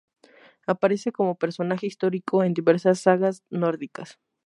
Aparece como personaje histórico en diversas sagas nórdicas.